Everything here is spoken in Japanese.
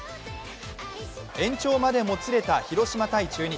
延長までもつれた広島×中日。